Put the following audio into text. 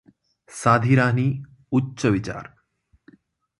साधी राहणी उच्च विचार!